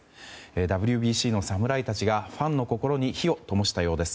ＷＢＣの侍たちが、ファンの心に火をともしたようです。